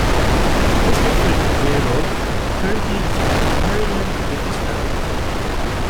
Mr. Figueroa currently resides in Maryland with his family.